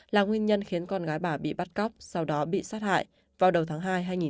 là nguyên nhân khiến con gái bà bị bắt cóc sau đó bị sát hại vào đầu tháng hai hai nghìn hai mươi